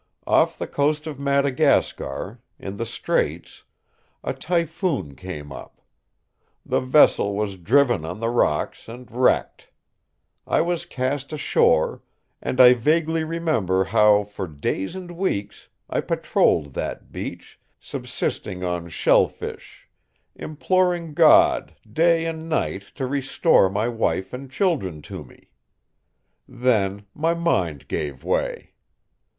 Off the coast of Madagascar, in the Straits, a typhoon came up. The vessel was driven on the rocks and wrecked. I was cast ashore, and I vaguely remember how, for days and weeks, I patrolled that beach, subsisting on shell fish, imploring God, day and night, to restore my wife and children to me. Then my mind gave way.